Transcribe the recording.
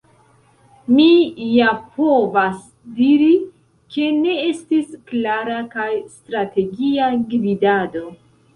“Mi ja povas diri, ke ne estis klara kaj strategia gvidado.